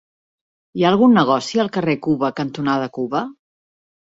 Hi ha algun negoci al carrer Cuba cantonada Cuba?